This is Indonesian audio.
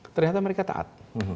ternyata mereka taat